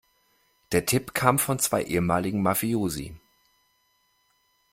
Der Tipp kam von zwei ehemaligen Mafiosi.